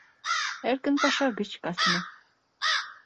Эркын паша гыч кастене